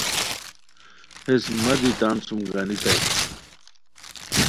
ہیس مہ دی تان سوم گانیتائے